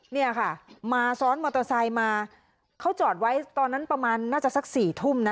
เนี่ยค่ะมาซ้อนมอเตอร์ไซค์มาเขาจอดไว้ตอนนั้นประมาณน่าจะสักสี่ทุ่มนะ